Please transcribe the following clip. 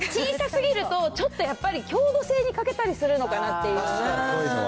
小さすぎるとちょっとやっぱり強度性に欠けたりするのかなっていう。